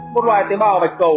một loại tế bào vạch cầu